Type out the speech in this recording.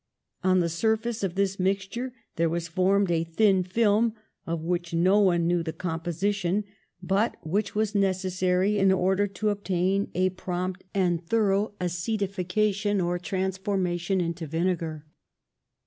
On the surface of this mixture there was formed a thin film, of which no one knew the composition, but which was necessary in order to obtain a prompt and thorough acetifi cation, or transformation into vinegar.